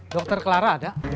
dokter clara ada